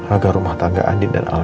agar rumah tangga andin dan alam